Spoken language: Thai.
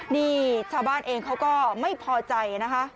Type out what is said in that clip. นี่ชาวบ้านเองเขาก็ไม่พอใจนะคะ